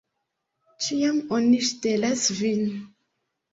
Ĉiam oni ŝtelas vin!